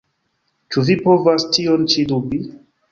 Ĉu vi povas tion ĉi dubi?